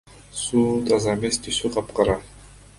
Суу таза эмес, түсү капкара.